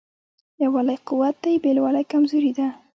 یووالی قوت دی بېلوالی کمزوري ده.